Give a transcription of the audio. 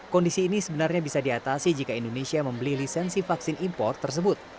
kondisi ini sebenarnya bisa diatasi jika indonesia membeli lisensi vaksin impor tersebut